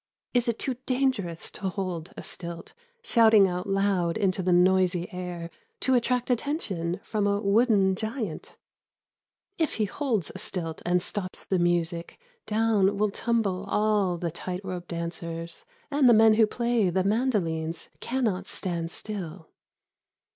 Is it too dangerous to hold a stilt, Shouting out loud into the noisy air To attract attention from a wooden giant ? If he holds a stilt and stops the music Down will tumble all the tight rope dancers And the men who play the mandolines cannot stand still.